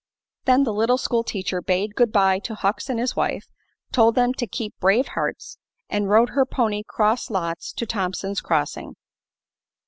Then the little school teacher bade good bye to Hucks and his wife, told them to keep brave hearts, and rode her pony cross lots to Thompson's Crossing.